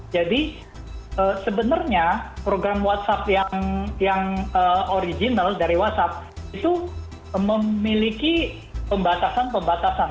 jadi sebenarnya program whatsapp yang original dari whatsapp itu memiliki pembatasan pembatasan